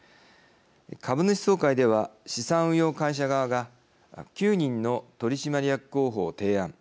株主総会では、資産運用会社側が９人の取締役候補を提案。